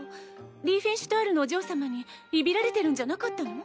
リーフェンシュタールのお嬢様にいびられてるんじゃなかったの？